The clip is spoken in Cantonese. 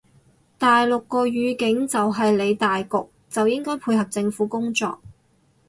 大陸個語境就係理大局就應該配合政府工作